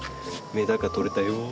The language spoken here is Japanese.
メダカとれたよ。